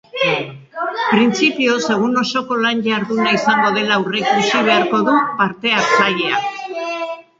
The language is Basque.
Printzipioz egun osoko lan jarduna izango dela aurreikusi beharko du parte-hartzaileak.